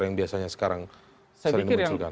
yang biasanya sekarang sering munculkan